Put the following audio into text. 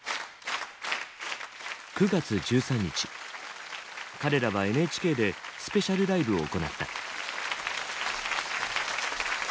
９月１３日彼らはＮＨＫでスペシャルライブを行った。